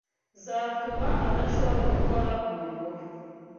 zatuma adashobora gukora umurimo we